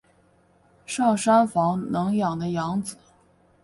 上杉房能的养子。